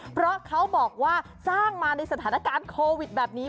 เพราะเขาบอกว่าสร้างมาในสถานการณ์โควิดแบบนี้